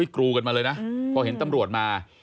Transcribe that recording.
กรูกันมาเลยนะพอเห็นตำรวจมา